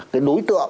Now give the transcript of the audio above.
cái đối tượng